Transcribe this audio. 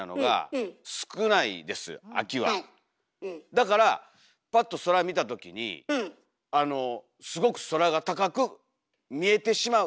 だからパッと空見たときにすごく空が高く見えてしまう。